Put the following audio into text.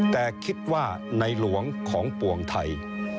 แต่คิดว่าในหลวงของปวงไทย